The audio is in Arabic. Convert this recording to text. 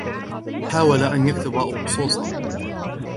حاول أن يكتب أقصوصة.